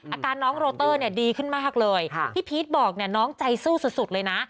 อาการน้องโรเตอร์เนี่ยดีขึ้นมากเลยพี่พีชบอกเนี่ยน้องใจสู้สุดเลยนะ